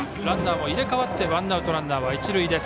ランナーも入れ変わってワンアウトランナーは一塁。